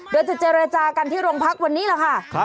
เดี๋ยวจะเจรจากันที่รงพักวันนี้หรือคะ